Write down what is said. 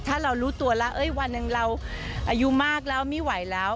ถ้าเรารู้ตัวแล้ววันหนึ่งเราอายุมากแล้วไม่ไหวแล้ว